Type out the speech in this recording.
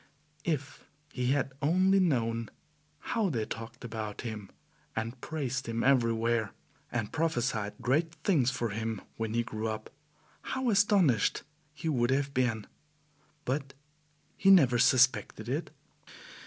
If he had only known how they talked about him and praised him everywhere, and prophesied great things for him when he grew up, how astonished he would have been! But he never suspected it.